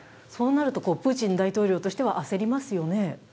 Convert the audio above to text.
そうなるとプーチン大統領としては焦りますよね。